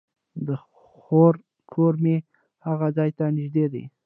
د خور کور مې هغې ځای ته نژدې دی